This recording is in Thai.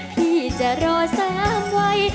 พี่จะรอแซมไว